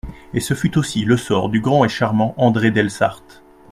Et ce fut aussi le sort du grand et charmant André del Sarte.